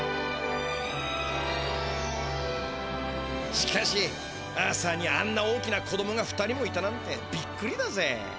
しかしアーサーにあんな大きな子どもが２人もいたなんてびっくりだぜ。